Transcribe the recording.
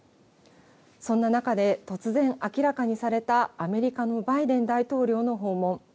そんな中で突然明らかにされたアメリカのバイデン大統領の訪問。